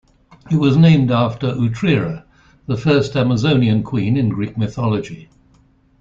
It was named after Otrera, the first Amazonian queen in Greek mythology.